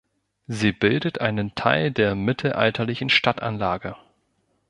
Sie bildet einen Teil der mittelalterlichen Stadtanlage.